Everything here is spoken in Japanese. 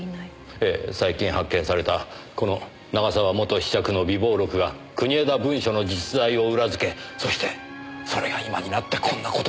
ええ最近発見されたこの永沢元子爵の備忘録が国枝文書の実在を裏づけそしてそれが今になってこんな事になってるんですよ。